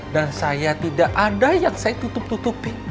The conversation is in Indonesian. dan saya tidak ada yang saya tutup tutupin